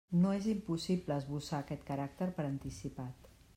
No és impossible esbossar aquest caràcter per anticipat.